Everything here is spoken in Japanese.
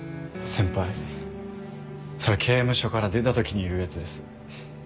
先輩それ刑務所から出た時に言うやつです。